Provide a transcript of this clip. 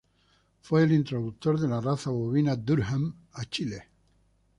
Fue el introductor de la raza bovina Durham a Chile.